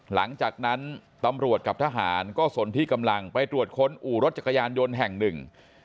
หลังจากนั้นตำรวจกับทหารก็สนที่กำลังไปตรวจค้นอู่รถจักรยานยนต์แห่งหนึ่ง